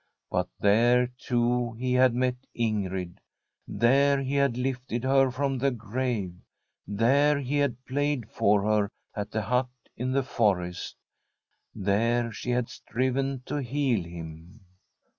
But there, too, he had met Ing^d; there he had lifted her from the grave ; there he had played for her at the hut in the forest ; there she had striven to heal him.